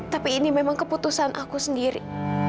tapi ini memang keputusan aku sendiri